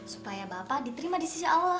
supaya bapak diterima di sisi allah